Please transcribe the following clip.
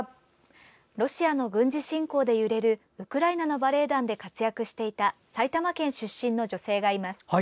ロシアの軍事侵攻で揺れるウクライナのバレエ団で活躍していた埼玉県出身の女性がいます。